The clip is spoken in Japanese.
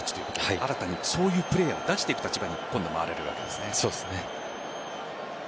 新たにそういうプレーヤーを出していく立場に回られるわけですね。